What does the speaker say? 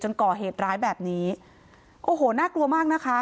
ก่อเหตุร้ายแบบนี้โอ้โหน่ากลัวมากนะคะ